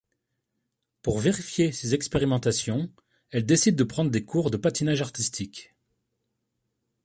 Pour vérifier ses expérimentations, elle décide de prendre des cours de patinage artistique.